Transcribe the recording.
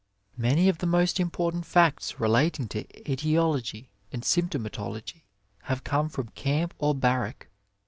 Many of the most important facts relating to etiology and symptomatology have come from camp or barrack.